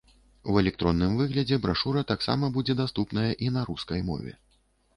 У электронным выглядзе брашура таксама будзе даступная і на рускай мове.